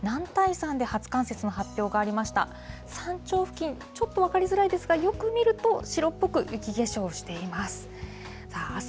山頂付近、ちょっと分かりづらいですが、よく見ると、白っぽく雪化粧しています。